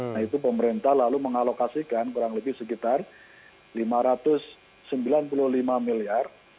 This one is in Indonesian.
nah itu pemerintah lalu mengalokasikan kurang lebih sekitar lima ratus sembilan puluh lima miliar